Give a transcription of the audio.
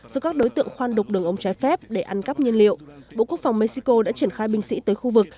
đục đường ống trái phép để ăn cắp nhiên liệu bộ quốc phòng mexico đã triển khai binh sĩ tới khu vực